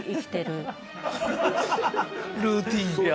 ルーティン。